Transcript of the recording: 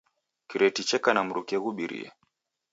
Kireti cheka na mruke ghubirie.